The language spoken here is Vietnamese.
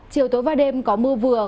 chiều tối và đêm có mưa vừa